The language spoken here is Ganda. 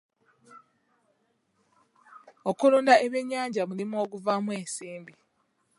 Okulunda ebyennyanja mulimu oguvaamu ensimbi.